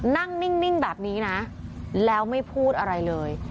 นิ่งแบบนี้นะแล้วไม่พูดอะไรเลย